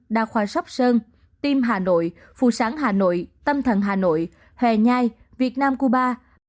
đa khoa sóc sơn tim hà nội phù sáng hà nội tâm thần hà nội hè nhai việt nam cuba